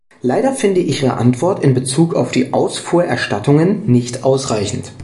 Leider finde ich Ihre Antwort in Bezug auf die Ausfuhrerstattungen nicht ausreichend.